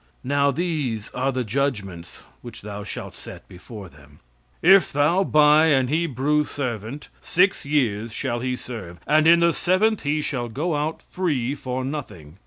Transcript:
Now these are the judgments which thou shalt set before them. "If thou buy an Hebrew servant, six years he shall serve; and in the seventh he shall go out free for nothing.